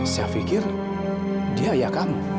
saya pikir dia ya kamu